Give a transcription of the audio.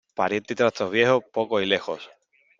Parientes y trastos viejos, pocos y lejos.